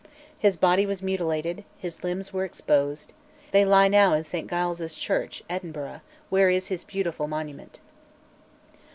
His body was mutilated, his limbs were exposed, they now lie in St Giles' Church, Edinburgh, where is his beautiful monument.